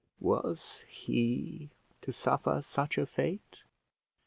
Was he to suffer such a fate?